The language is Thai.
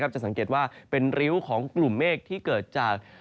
จะสังเกตว่าเป็นริ้วของกลุ่มเมฆที่เกิดจาก